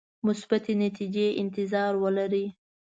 مثبتې نتیجې انتظار ولري.